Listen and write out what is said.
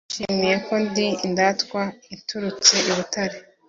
Banshimye ko ndi indatwa iturutse I Butare